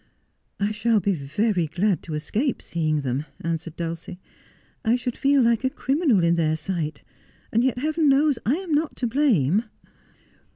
' I shall be very glad to escape seeing them,' answered Dulcie. ' I should feel like a criminal in their sight ; and yet Heaven knows I am not to blame.'